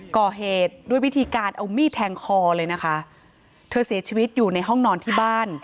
ก่อเหตุด้วยวิธีการเอามีดแทงคอเลยนะคะเธอเสียชีวิตอยู่ในห้องนอนที่บ้าน